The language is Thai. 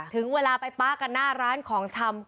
ถึงเวลาไปป๊ากันหน้าร้านของชำ